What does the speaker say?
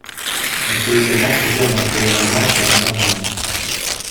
On peut également choisir d'installer l'agent sur un serveur.